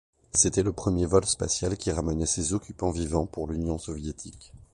C'était le premier vol spatial qui ramenait ses occupants vivants pour l'union soviétique.